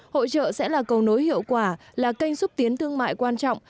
hội trợ sẽ là cầu nối hiệu quả là kênh xúc tiến thương mại quan trọng